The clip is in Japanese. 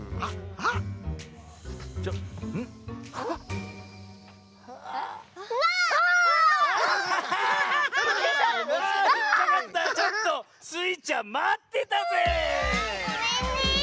あごめんね！